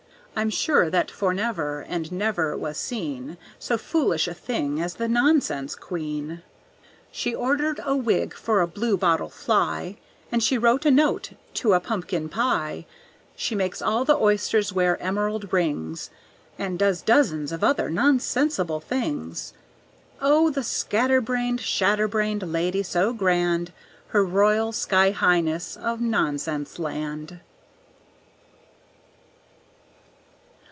I'm sure that fornever and never was seen So foolish a thing as the Nonsense Queen! She ordered a wig for a blue bottle fly, And she wrote a note to a pumpkin pie; She makes all the oysters wear emerald rings, And does dozens of other nonsensible things. Oh! the scatterbrained, shatterbrained lady so grand, Her Royal Skyhighness of Nonsense Land!